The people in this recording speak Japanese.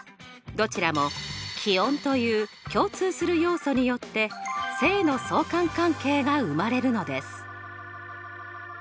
どちらも気温という共通する要素によって正の相関関係が生まれるのです。